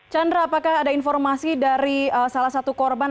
chandra apakah ada informasi dari salah satu korban